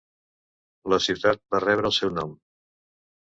La ciutat va rebre el seu nom.